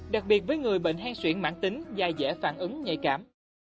đặc biệt với người bệnh hang xuyển mảng tính da dễ phản ứng nhạy cảm